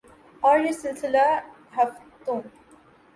اور یہ سلسلہ ہفتوں